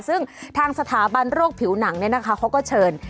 ซึ่งทางสถาบันโรคผิวหนังเขาก็เชิญ